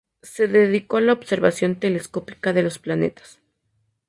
Se dedicó a la observación telescópica de los planetas.